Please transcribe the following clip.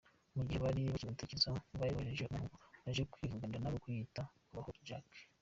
Mugihe bari bakimutekerezaho yoboherereje umuntu ngo uje kwivuganira nabo wiyita Kubaho Jacques.